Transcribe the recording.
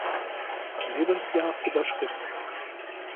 Lebensjahr überschritt.